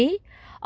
ông tâm nói thêm